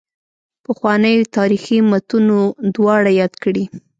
پخوانیو تاریخي متونو دواړه یاد کړي.